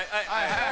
はい！